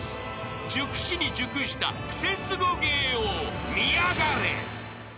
［熟しに熟したクセスゴ芸を見やがれ］